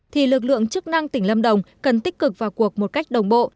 thì lực lượng chức năng tỉnh lâm đồng cần tích cực vào cuộc một cách đồng bộ